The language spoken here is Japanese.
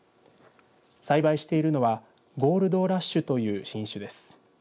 栽培しているのはゴールドラッシュという品種です。